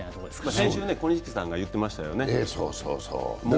先週、小錦さんが言っていましたよね。